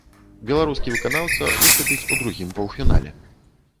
Беларускі выканаўца выступіць у другім паўфінале.